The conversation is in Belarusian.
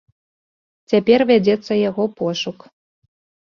Цяпер вядзецца яго пошук.